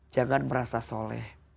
jangan merasa soleh